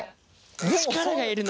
力がいるな。